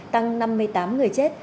tăng năm mươi tám người chết